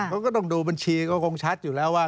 มันก็ต้องดูบัญชีก็คงชัดอยู่แล้วว่า